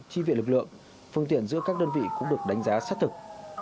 chi viện lực lượng phương tiện giữa các đơn vị cũng được đánh giá xác thực